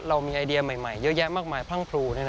เรามีไอเดียใหม่เยอะแยะมากมายพรั่งพลู